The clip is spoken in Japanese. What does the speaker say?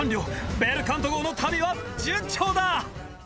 ベルカント号の旅は順調だ！